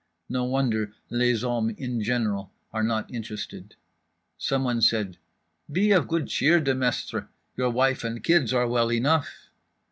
No wonder les hommes in general are not interested. Someone said: "Be of good cheer, Demestre, your wife and kids are well enough."